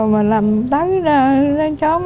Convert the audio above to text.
mà làm tới lên tróm